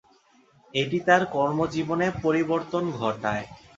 এটি তার কর্মজীবনে পরিবর্তন ঘটায়।